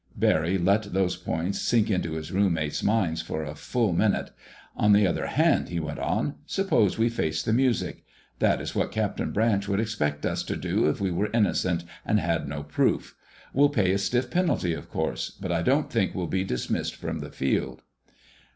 Barry let those points sink into his roommates' minds for a full minute. "On the other hand," he went on, "suppose we face the music. That is what Captain Branch would expect us to do if we were innocent and had no proof. We'll pay a stiff penalty, of course, but I don't think we'll be dismissed from the Field."